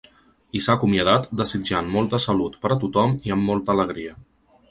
I s’ha acomiadat desitjant molta salut per a tothom i amb molta alegria.